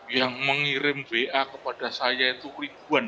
yang mengirim ba kepada saya itu kritis